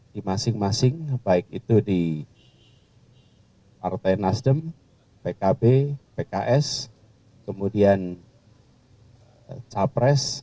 di masing masing baik itu di partai nasdem pkb pks kemudian capres